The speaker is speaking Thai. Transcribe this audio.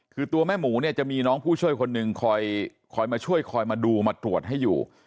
คือตัวแม่หมูเนี่ยจะมีน้องผู้ช่วยคนหนึ่งคอยมาช่วยคอยมาดูมาตรวจให้อยู่